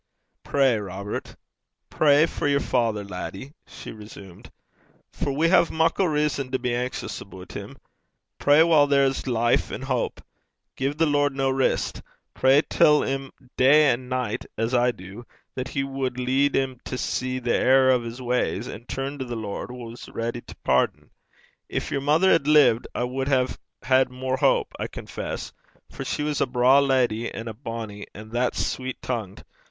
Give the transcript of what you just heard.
'Pray, Robert, pray for yer father, laddie,' she resumed; 'for we hae muckle rizzon to be anxious aboot 'im. Pray while there's life an' houp. Gie the Lord no rist. Pray till 'im day an' nicht, as I du, that he wad lead 'im to see the error o' his ways, an' turn to the Lord, wha's ready to pardon. Gin yer mother had lived, I wad hae had mair houp, I confess, for she was a braw leddy and a bonny, and that sweet tongued!